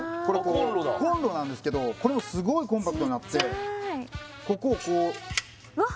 コンロだコンロなんですけどこれもすごいコンパクトになってちっちゃいここをこううわっ！